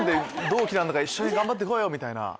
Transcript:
同期なんだから一緒に頑張って行こうよ！みたいな。